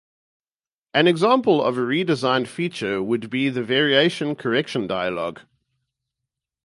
An example of a redesigned feature would be the Variations correction dialog.